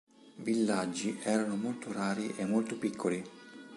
Villaggi erano molto rari e molto piccoli.